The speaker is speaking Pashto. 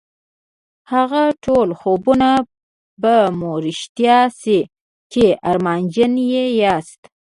هغه ټول خوبونه به مو رښتيا شي چې ارمانجن يې ياست.